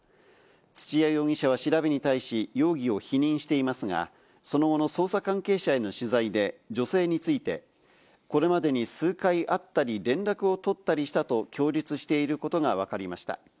土屋容疑者は調べに対し、容疑を否認していますが、その後の捜査関係者への取材で、女性について、これまでに数回会ったり、連絡を取ったりしたと供述していることがわかりました。